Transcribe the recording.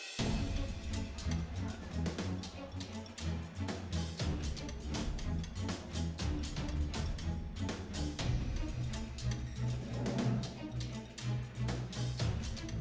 kemuatan dari testing